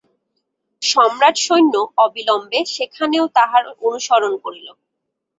সম্রাটসৈন্য অবিলম্বে সেখানেও তাঁহার অনুসরণ করিল।